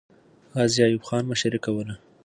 غازي ایوب خان مشري کوله.